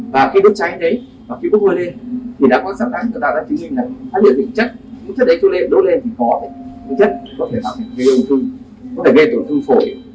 và khi đốt cháy đấy và khi thuốc hơi lên thì đã có sẵn sàng chúng ta đã chứng minh là các liệu định chất những chất đấy đốt lên thì có thể gây âm thư có thể gây tổn thương phổi